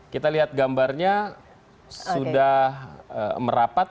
kita lihat gambarnya sudah merapat